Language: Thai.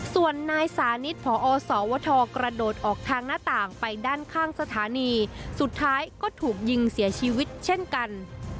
ส่วนนายสานิทพอสวทกระโดดออกทางหน้าต่างไปด้านข้างสถานีสุดท้ายก็ถูกยิงเสียชีวิตเช่นกัน